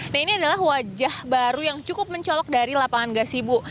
nah ini adalah wajah baru yang cukup mencolok dari lapangan gasibu